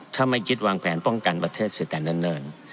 ถ้าไม่คิดวางแผนป้องกันประเทศเสียแต่เนิ่น